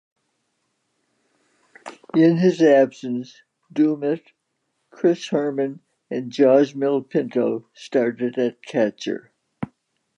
In his absence, Doumit, Chris Herrmann and Josmil Pinto started at catcher.